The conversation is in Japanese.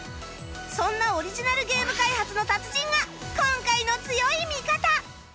そんなオリジナルゲーム開発の達人が今回の強い味方！